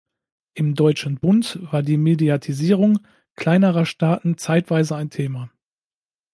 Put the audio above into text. Im Deutschen Bund war die Mediatisierung kleinerer Staaten zeitweise ein Thema.